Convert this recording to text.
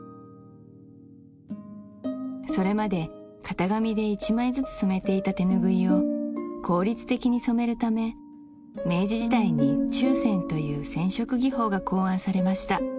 それまで型紙で一枚ずつ染めていた手ぬぐいを効率的に染めるため明治時代に注染という染色技法が考案されました